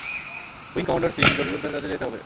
Wing commander Singh, জরুরি উদ্ধারকাজে যেতে হবে।